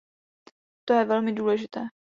To je velmi důležité!